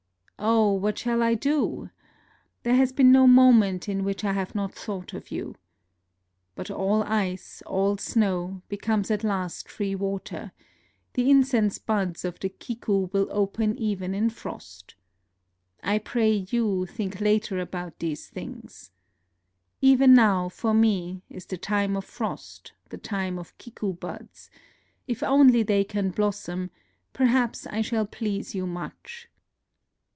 ... Oh ! what shall I do ? There has been no moment in which I have not thought of you. ... But all ice, all snow, becomes at last free water ; the incense buds of the kiku will open even in frost. I pray you, think later about these things. ... Even now, for me, is the time of frost, the time of kiku buds : if only they can blossom, perhaps I shall please you much.